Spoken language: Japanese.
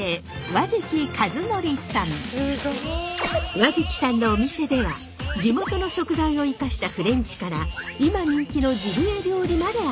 和食さんのお店では地元の食材を生かしたフレンチから今人気のジビエ料理まで味わえます！